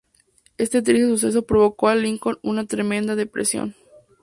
Este triste suceso provocó a Lincoln una tremenda depresión.